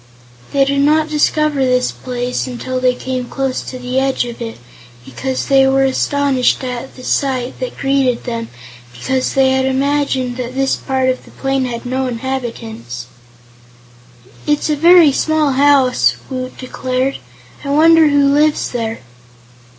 They did not discover this place until they came close to the edge of it, and they were astonished at the sight that greeted them because they had imagined that this part of the plain had no inhabitants. "It's a very small house," Woot declared. "I wonder who lives there?"